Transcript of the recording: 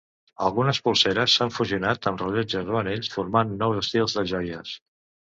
Algunes polseres s'han fusionat amb rellotges o anells formant nous estils de joies.